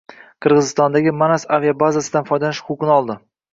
Qirg‘izistondagi Manas aviabazasidan foydalanish huquqini oldi.